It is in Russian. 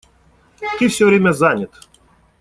Ты всё время занят.